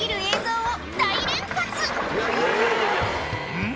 うん？